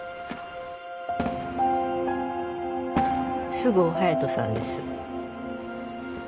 菅生隼人さんです